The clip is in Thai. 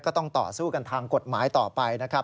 ก็ต้องต่อสู้กันทางกฎหมายต่อไปนะครับ